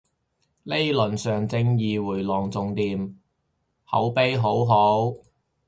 呢輪上正義迴廊仲掂，口碑好好